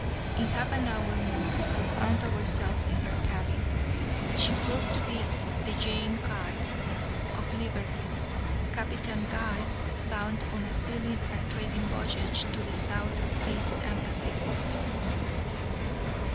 In half an hour more we found ourselves in her cabin. She proved to be the Jane Guy, of Liverpool, Captain Guy, bound on a sealing and trading voyage to the South Seas and Pacific.